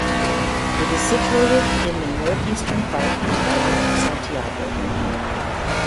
It is situated in the northeastern part of the island of Santiago.